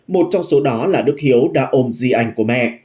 một trong số đó là đức hiếu đã ôm di ảnh của mẹ